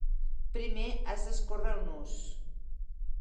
Primer has d'escórrer el nus.